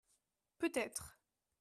Peut-être.